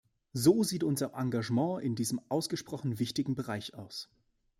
So sieht unser Engagement in diesem ausgesprochen wichtigen Bereich aus.